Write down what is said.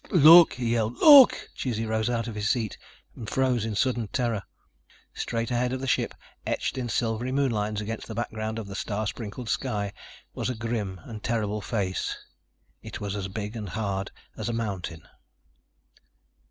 "Look!" he yelled "Look!" Chizzy rose out of his seat ... and froze in sudden terror. Straight ahead of the ship, etched in silvery moon lines against the background of the star sprinkled sky, was a grim and terrible face. It was as big and hard as a mountain.